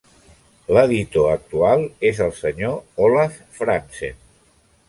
L'editor actual és el Sr. Olaf Frandsen.